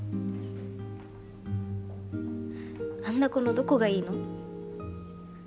あんな子のどこがいいの？